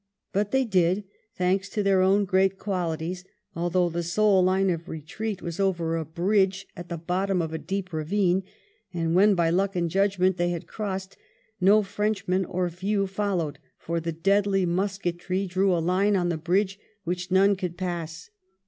But they did, thanks to their own great qualities, although the sole line of retreat was over a bridge at the bottom of a deep ravine ; and when by luck and' judgment they had crossed, no Frenchmen, or few, followed, for the deadly musketry drew a line on the bridge which none could pass.